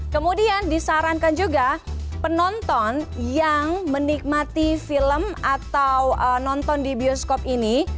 kemudian disarankan juga penonton yang menikmati film atau nonton di bioskop ini